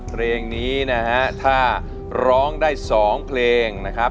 เพลงนี้นะฮะถ้าร้องได้๒เพลงนะครับ